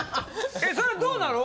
それどうなの？